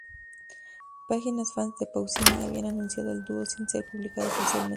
Páginas fans de Pausini habían anunciado el dúo sin ser publicado oficialmente.